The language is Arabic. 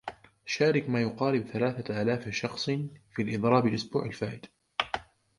شاركَ ما يقارب ثلاثة آلاف شخصٍ في الإضراب الإسبوع الفائت.